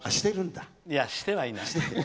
いや、してはいない。